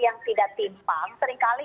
yang tidak timpang seringkali